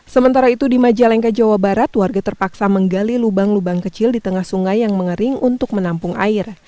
sementara itu di majalengka jawa barat warga terpaksa menggali lubang lubang kecil di tengah sungai yang mengering untuk menampung air